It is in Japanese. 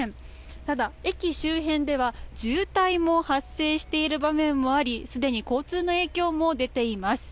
ただ、駅周辺では渋滞も発生している場面もあり、既に交通の影響も出ています。